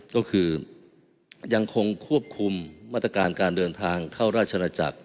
ก็คือยังคงควบคุมมาตรการการเดินทางเข้าราชนาจักร